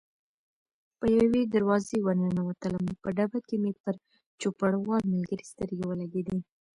په یوې دروازې ور ننوتلم، په ډبه کې مې پر چوپړوال ملګري سترګې ولګېدې.